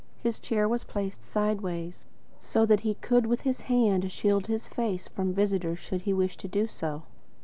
His chair was placed sideways, so that he could, with his hand, shield his face from his visitor should he wish to do so.